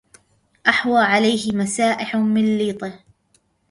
أحوى عليه مسائح من ليطة